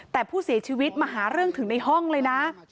แต่ผู้เสียชีวิตมาหาเรื่องถึงในห้องเลยนะ